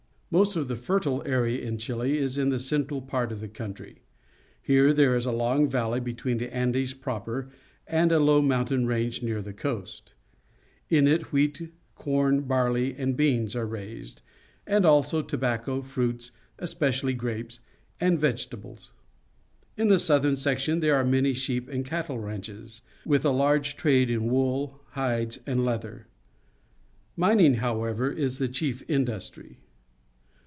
Most of the fertile area in Chile is in the central part of the country. Here there is a long valley between the Andes proper and a low mountain range near the coast. In Discharging Nitrate into Storage Bins, Chile it wheat, corn, barley, and beans are raised, and also tobacco, fruits, especially grapes, and vegetables. In the southern section there are many sheep and cattle ranches, with a large trade in wool, hides, and leather. Mining, however, is the chief industry.